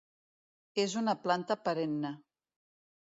És una planta perenne.